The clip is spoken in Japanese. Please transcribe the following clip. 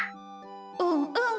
うんうん。